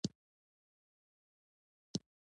دا يو پياوړي تصور ته اړتيا لري.